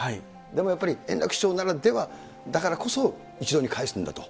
でもやっぱり円楽師匠ならでは、だからこそ、一堂に会すんだと。